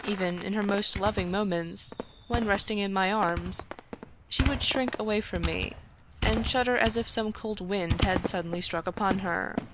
Even in her most lov ing moments, when resting in my arms, she would shrink away from me, and shudder as if some cold wind had sud denly struck upon her.